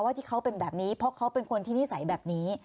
ที่เขาเป็นแบบนี้เพราะเขาเป็นคนที่นิสัยแบบนี้